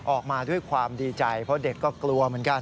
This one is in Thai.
ออกมาด้วยความดีใจเพราะเด็กก็กลัวเหมือนกัน